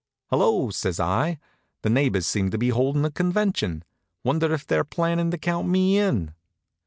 "Hello!" says I. "The neighbors seem to be holdin' a convention. Wonder if they're plannin' to count me in?"